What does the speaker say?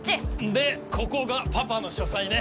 でここがパパの書斎ね。